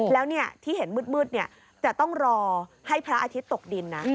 แล้วที่เห็นมืดจะต้องรอให้พระอาทิตย์ตกดินนะ